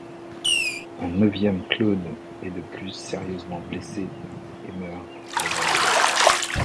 Un neuvième clone est de plus sérieusement blessé, et meurt le lendemain.